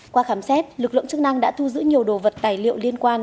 qua khám xét lực lượng chức năng đã thu giữ nhiều đồ vật tài liệu liên quan